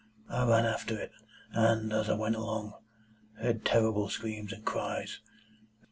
I ran after it, and, as I went along, heard terrible screams and cries.